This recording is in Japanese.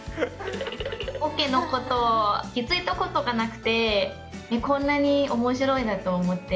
コケのことに気付いたことがなくて、こんなにおもしろいんだと思って。